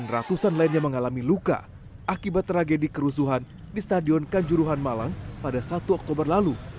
ratusan lainnya mengalami luka akibat tragedi kerusuhan di stadion kanjuruhan malang pada satu oktober lalu